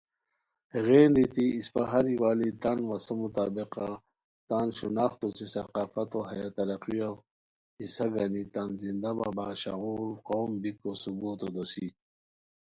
ہیغین دیتی اسپہ ہر ایوالی تان واسو مطابقہ تان شناختو اوچے ثقافتو ہیہ ترقیہ حصہ گانی تان زندہ وا باشعور قوم بیکو ثبوتو دوسی